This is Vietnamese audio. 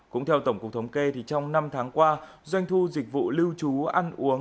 cũng theo tổng cục thống kê trong năm tháng qua doanh thu dịch vụ lưu trú ăn uống